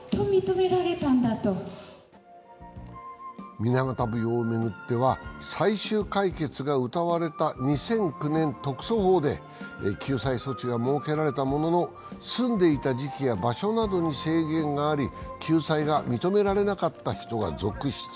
水俣病を巡っては最終解決がうたわれた２００９年、特措法で救済措置が設けられたものの住んでいた時期や場所などに制限があり、救済が認められなかった人が続出。